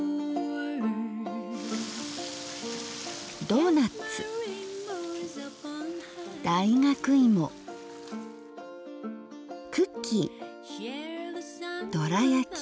ドーナツ大学芋クッキーどら焼き。